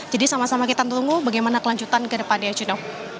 jadi sama sama kita tunggu bagaimana kelanjutan ke depannya ya juno